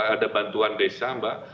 ada bantuan desa mbak